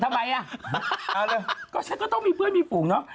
ทำไมอะก็ฉันก็ต้องมีเพื่อนมีฝูงนะ